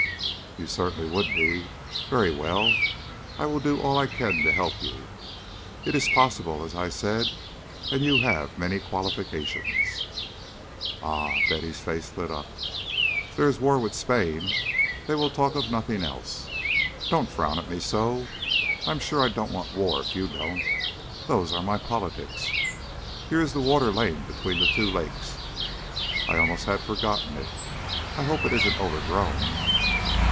"You certainly would be. Very well, I will do all I can to help you. It is possible, as I said. And you have many qualifications " "Ah!" Betty's face lit up. "If there is war with Spain, they will talk of nothing else Don't frown so at me. I'm sure I don't want a war if you don't. Those are my politics. Here is the water lane between the two lakes. I almost had forgotten it. I hope it isn't overgrown."